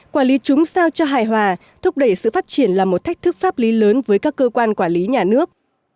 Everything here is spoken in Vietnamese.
quản lý chúng sao cho hài hòa thúc đẩy sự phát triển là một thách thức pháp lý lớn với các cơ quan quản lý nhà nước